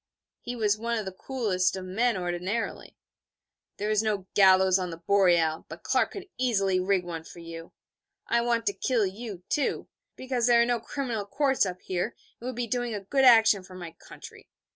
(He was one of the coolest of men ordinarily.) 'There is no gallows on the Boreal, but Clark could easily rig one for you. I want to kill you, too, because there are no criminal courts up here, and it would be doing a good action for my country.